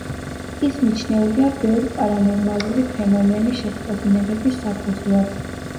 ის მიჩნეულია ბევრი პარანორმალური ფენომენის შეტყობინებების საფუძვლად.